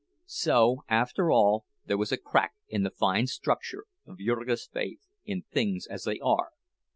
So, after all, there was a crack in the fine structure of Jurgis' faith in things as they are.